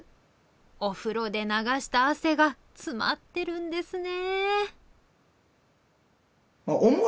お風呂で流した汗が詰まってるんですね！